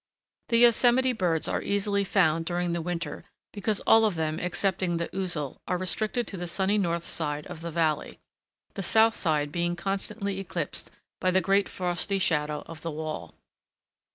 The Yosemite birds are easily found during the winter because all of them excepting the Ouzel are restricted to the sunny north side of the valley, the south side being constantly eclipsed by the great frosty shadow of the wall.